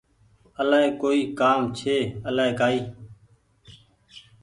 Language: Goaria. آلآئي ڪوئي ڪآم ڇي آلآئي ڪآئي